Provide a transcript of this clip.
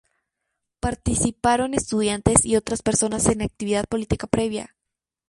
Participaron estudiantes y otras personas sin actividad política previa.